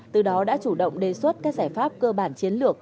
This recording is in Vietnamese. từ đó đã chủ động đề xuất các giải pháp cơ bản chiến lược